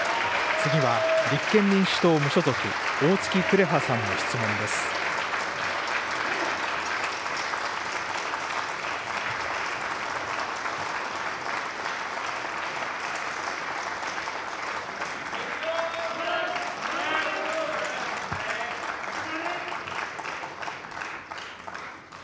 次は立憲民主党・無所属、おおつき紅葉さんの質問です。